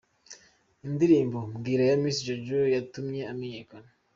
Indirimbo "Mbwira" ya Miss Jojo yatumye amenyekana.